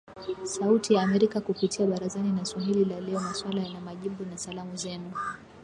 Sauti ya Amerika kupitia Barazani na Swali la Leo, Maswali na Majibu na Salamu Zenu